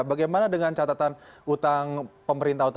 bagaimana dengan catatan utang pemerintah